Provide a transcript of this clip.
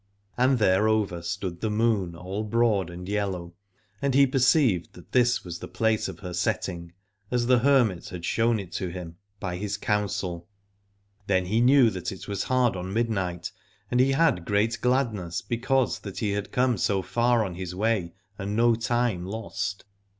And thereover stood the moon all broad and yellow, and he per ceived that this was the place of her setting, as the hermit had shown it to him by his 50 Aladore counsel. Then he knew that it was hard on midnight, and he had great gladness because that he had come so far on his way and no time lost.